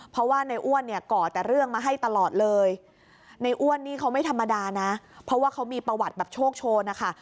เพราะว่าในอ้วนเนี่ยก่อแต่เรื่องมาให้ตลอดเลยในอ้วนนี่เขาไม่ธรรมดานะเพราะว่าเขามีประวัติแบบโชคโชนนะคะ